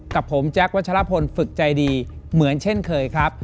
กับผมแจ๊ควัชลพลฝึกใจดีเหมือนเช่นเคยครับ